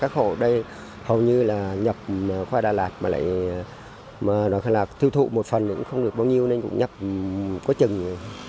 khổ đây hầu như là nhập khoai đà lạt mà lại nói là thư thụ một phần cũng không được bao nhiêu nên cũng nhập quá chừng